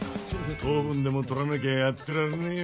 糖分でもとらなきゃやってられねえよ。